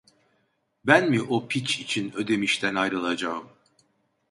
Ben mi o piç için Ödemiş'ten ayrılacağım!